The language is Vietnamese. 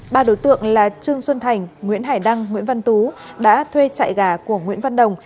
ba đối tượng là trương xuân thành nguyễn hải đăng nguyễn văn tú đã thuê chạy gà của nguyễn văn đồng